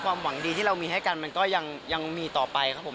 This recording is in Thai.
หวังดีที่เรามีให้กันมันก็ยังมีต่อไปครับผม